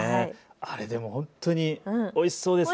あれでも本当においしそうですね。